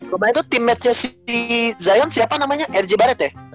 soalnya tuh teammatenya si zion siapa namanya r j barret ya